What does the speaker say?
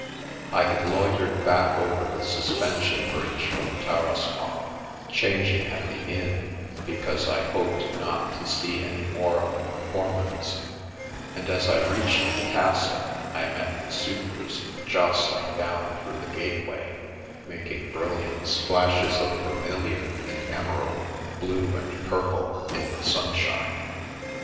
I had loitered back over the suspension bridge from Tarascon, chang ing at the inn, because I hoped not to see any more of the performance, and as I reached the castle, I met the supers jostling down through the gateway, making brilliant splashes of vermilion and emerald, blue and purple, in the sunshine.